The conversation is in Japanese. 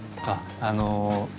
あっあの。